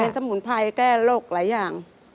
สมุนไพรแก้โรคหลายอย่าง